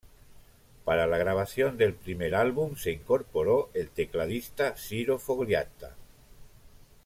Para la grabación del primer álbum se incorporó el tecladista Ciro Fogliatta.